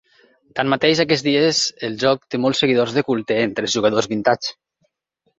Tanmateix, aquests dies el joc té molts seguidors de culte entre els jugadors vintage.